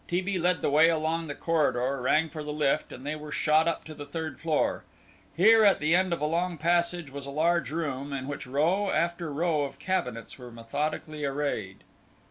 T. B. led the way along the corridor, rang for the lift, and they were shot up to the third floor. Here at the end of a long passage, was a large room, in which row after row of cabinets were methodically arrayed.